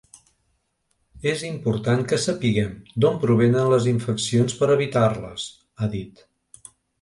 És important que sapiguem d’on provenen les infeccions per evitar-les, ha dit.